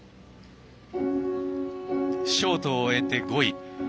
ショートを終えて５位。